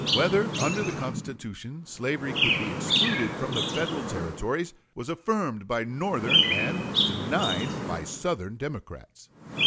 Whether under the Constitution slavery could be excluded from the Federal Territories was affirmed by Northern and denied by Southern Democrats.